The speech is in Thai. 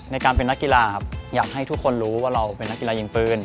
ในการเป็นนักกีฬาครับอยากให้ทุกคนรู้ว่าเราเป็นนักกีฬายิงปืน